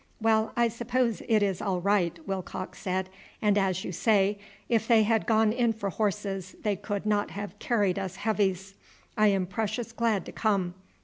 "Well, I suppose it is all right," Willcox said; "and as you say, if they had gone in for horses they could not have carried us heavies. I am precious glad to come.